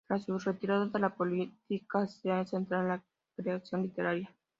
Tras su retirada de la política, se ha centrado en la creación literaria.